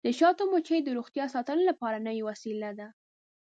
د شاتو مچۍ د روغتیا ساتنې لپاره نوې وسیله ده.